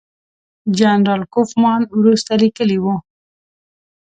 جنرال کوفمان وروسته لیکلي وو.